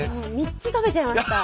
３つ食べちゃいました